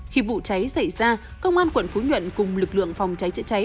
khi vụ cháy xảy ra công an quận phú nhuận cùng lực lượng phòng cháy chữa cháy